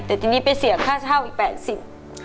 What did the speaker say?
แต่ทีนี้ไปเสียค่าเช่าอีก๘๐บาท